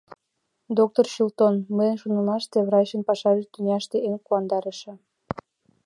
— Доктыр Чилтон, мыйын шонымаште, врачын пашаже тӱняште эн куандарыше!